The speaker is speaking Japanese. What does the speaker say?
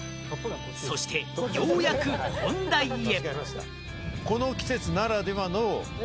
そしてようやく本題へ。